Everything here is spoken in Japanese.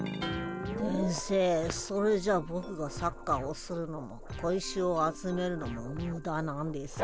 先生それじゃあボクがサッカーをするのも小石を集めるのもムダなんですか？